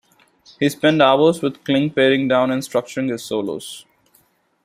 He spent hours with Clink paring down and structuring his solos.